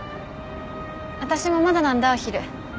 私もまだなんだお昼。